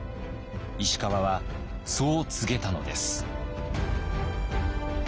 石川はそう告げたのです。